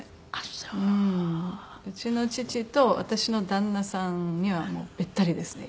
うちの父と私の旦那さんにはもうべったりですね。